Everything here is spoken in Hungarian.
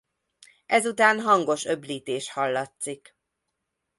Ezután hangos öblítés hallatszik.